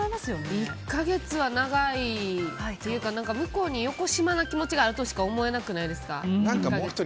１か月は長いというか向こうによこしまな気持ちがあるとしか思えなくないですか？